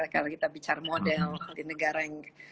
kalau kita bicara model di negara yang